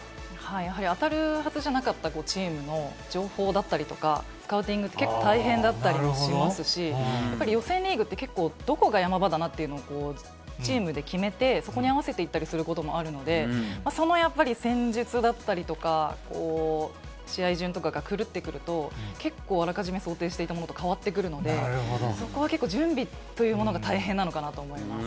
やはり当たるはずじゃなかったチームの情報だったりとか、スターティングって、結構大変だったりしますし、やはり予選リーグって、どこがヤマ場だなっていうのを、チームで決めて、そこに合わせていったりすることもあるので、そのやっぱり戦術だったりとか、試合順とかがくるってくると、結構、あらかじめ想定していたものと変わってくるので、そこは結構、準備というものが大変なのかなと思います。